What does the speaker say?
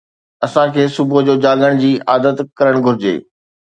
اسان کي صبح جو جاڳڻ جي عادت ڪرڻ گهرجي